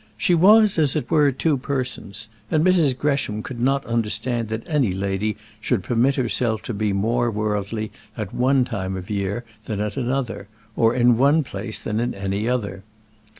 She was as it were two persons, and Mrs. Gresham could not understand that any lady should permit herself to be more worldly at one time of the year than at another or in one place than in any other.